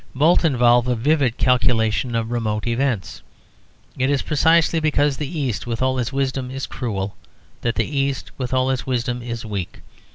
Both involve a vivid calculation of remote events. It is precisely because the East, with all its wisdom, is cruel, that the East, with all its wisdom, is weak.